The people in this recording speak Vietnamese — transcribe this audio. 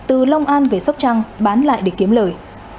từ long an về sóc trăng bán lại để kiếm lời